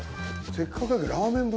「せっかくだから」